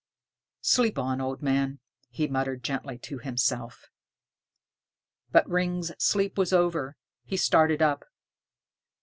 "Sleep on, old man," he muttered gently to himself. But Ring's sleep was over. He started up.